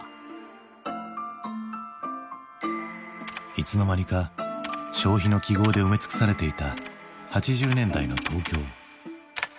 いつの間にか消費の記号で埋め尽くされていた８０年代の東京。